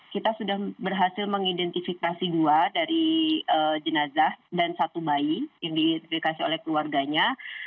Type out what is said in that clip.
kita sudah berhasil mengidentifikasi dua dari jenazah dan satu bayi yang diidentifikasi oleh keluarganya